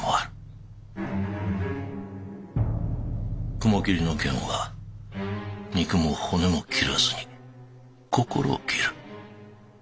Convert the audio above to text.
雲霧の剣は肉も骨も斬らずに心を斬る。